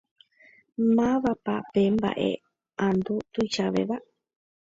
Mávapa pe mbaʼeʼandu tuichavéva?